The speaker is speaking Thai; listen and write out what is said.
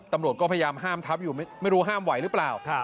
ตำรวจก็พยายามห้ามทับอยู่ไม่รู้ห้ามไหวหรือเปล่า